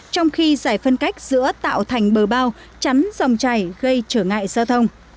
trong khi giải phân cách giữa tạo thành bờ bao chắn dòng chảy gây trở ngại giao thông